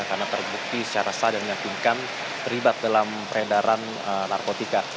karena terbukti secara sah dan mengakunkan terlibat dalam peredaran narkotika